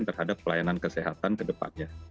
terhadap pelayanan kesehatan ke depannya